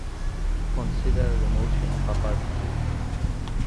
Consider the motion of a particle.